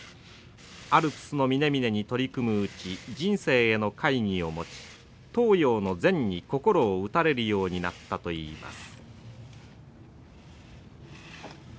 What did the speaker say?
アルプスの峰々に取り組むうち人生への懐疑を持ち東洋の禅に心を打たれるようになったといいます。